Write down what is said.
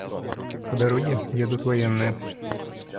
По дороге едут военные.